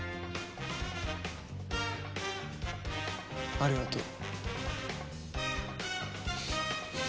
ありがとう。